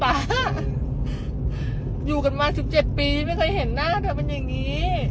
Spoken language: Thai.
อยู่กันมา๑๗ปีไม่เคยเห็นหน้าเธอเป็นอย่างนี้